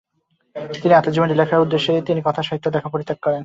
তিনি আত্মজীবনী লেখার উদ্দেশ্যে তিনি কথাসাহিত্য লেখা পরিত্যাগ করেন।